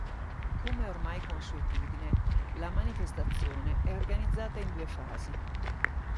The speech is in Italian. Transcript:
Come ormai consuetudine, la manifestazione è organizzata in due fasi.